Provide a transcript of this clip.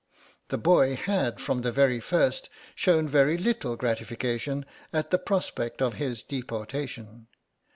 The boy had from the first shewn very little gratification at the prospect of his deportation.